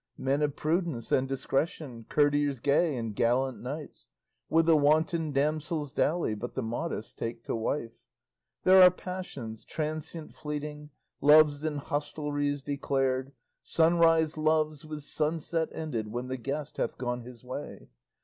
Men of prudence and discretion, Courtiers gay and gallant knights, With the wanton damsels dally, But the modest take to wife. There are passions, transient, fleeting, Loves in hostelries declar'd, Sunrise loves, with sunset ended, When the guest hath gone his way.